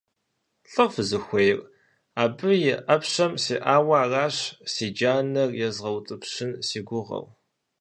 ЛӀо фызыхуейр? Абы и Ӏэпщэм сеӀауэ аращ, си джанэр езгъэутӀыпщын си гугъэу.